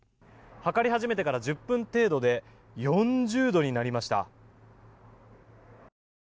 測り始めてから１０分程度で４０度になりました。